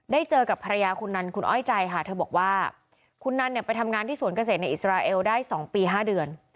เจอกับภรรยาคุณนันคุณอ้อยใจค่ะเธอบอกว่าคุณนันเนี่ยไปทำงานที่สวนเกษตรในอิสราเอลได้๒ปี๕เดือน